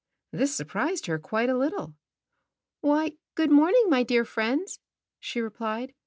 This surprised her quite a little. „, "Why, good morning, my dear friends," she ^(^ replied.